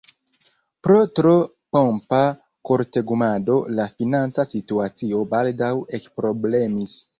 Pro tro pompa kortegumado la financa situacio baldaŭ ekproblemis.